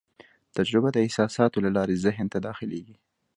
تجربه د احساساتو له لارې ذهن ته داخلېږي.